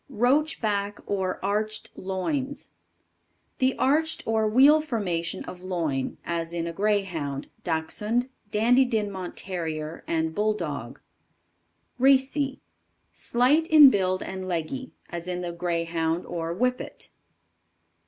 Roach Back or Arched Loins. The arched or wheel formation of loin, as in a Greyhound, Dachshunde, Dandie Dinmont Terrier, and Bulldog. Racy. Slight in build and leggy, as in the Greyhound or Whippet.